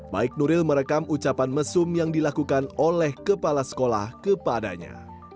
baik nuril merekam ucapan mesum yang dilakukan oleh kepala sekolah kepadanya